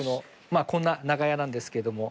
まあこんな長屋なんですけども。